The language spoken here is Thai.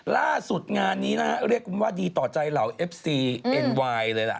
ล่าสุดงานนี้นะฮะเรียกว่าดีต่อใจเหล่าเอฟซีเอ็นไวน์เลยล่ะ